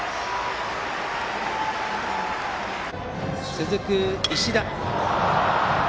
続く石田。